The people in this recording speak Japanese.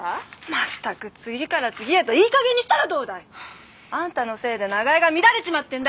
まったく次から次へといい加減にしたらどうだい！あんたのせいで長屋が乱れちまってんだよ！